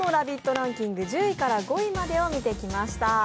ランキング、１０位から５位までを見てきました。